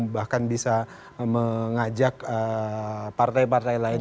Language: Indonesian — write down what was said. bahkan bisa mengajak partai partai lain